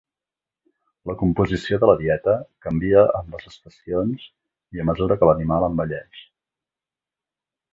La composició de la dieta canvia amb les estacions i a mesura que l'animal envelleix.